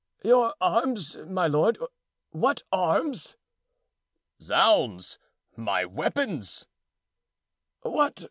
"Your arms, my lord—what arms?" "Zounds! my weapons."